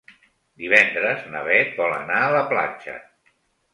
Divendres na Bet vol anar a la platja.